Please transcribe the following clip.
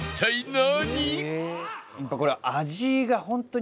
何？